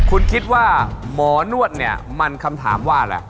คุณคิดว่าหมอนวดเนี่ยมันคำถามว่าอะไร